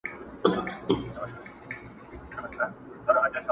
د هجران تبي نیولی ستا له غمه مړ به سمه٫